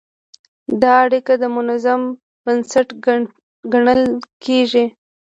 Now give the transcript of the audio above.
دا اړیکه د نظم بنسټ ګڼل کېږي.